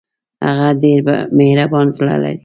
هغه ډېر مهربان زړه لري